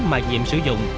mà nhiệm sử dụng